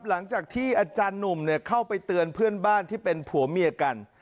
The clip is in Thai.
หลังจากที่อาจารย์หนุ่มเข้าไปเตือนเพื่อนบ้านที่เป็นผัวเมียกัน